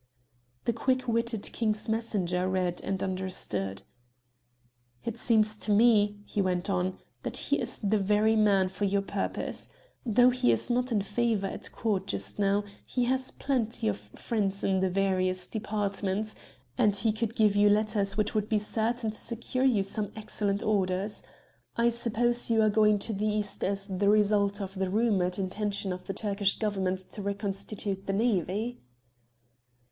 The quick witted King's messenger read and understood. "It seems to me," he went on, "that he is the very man for your purpose. Though he is not in favour at Court just now he has plenty of friends in the various departments, and he could give you letters which would be certain to secure you some excellent orders. I suppose you are going to the East as the result of the rumoured intention of the Turkish Government to reconstitute the navy."